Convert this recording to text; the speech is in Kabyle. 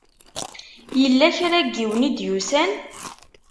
Yella kra n yiwen i d-yusan?